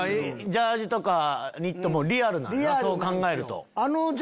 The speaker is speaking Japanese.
ジャージとかニット帽リアルなんやなそう考えると。